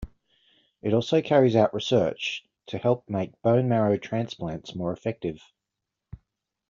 It also carries out research to help make bone marrow transplants more effective.